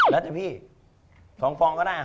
แล้วเจ้าพี่ทองปองก็ได้